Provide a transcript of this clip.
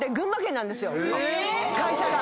会社が。